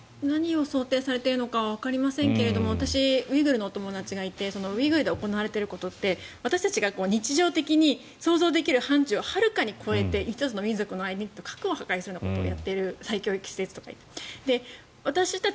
何を想定されているのかはわかりませんが私、ウイグルのお友達がいてウイグルで行われていることって私たちが日常的に想像できる範ちゅうをはるかに超えて１つの民族の間にアイデンティティーとかを破壊するようなことをやっている再教育施設とか言って。